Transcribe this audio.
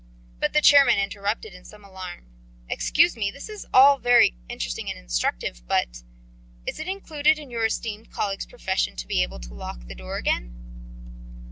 But the chairman interrupted in some alarm: "Excuse me. This is all very interesting and instructive, but ... is it included in your esteemed colleague's profession to be able to lock the door again?"